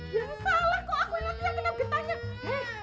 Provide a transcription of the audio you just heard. ya salah kok aku yang nanti yang kena getahnya